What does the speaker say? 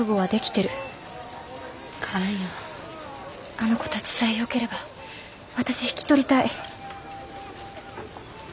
あの子たちさえよければ私引き取りたい。